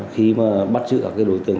khi mà bắt giữ các cái đối tượng